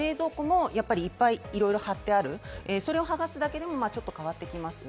いっぱいいろいろ張ってある、それを剥がすだけでもちょっと変わってきます。